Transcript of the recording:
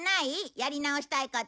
やり直したいこと。